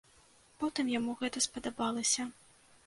Потым яму гэта спадабалася.